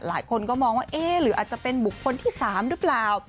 หลายคนก็มองว่าเอ๊ะหรืออาจจะเป็นบุคคลที่๓หรือเปล่า